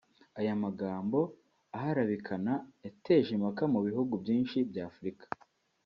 Aya magambo "aharabikana" yateje impaka mu bihugu byinshi by’Afurika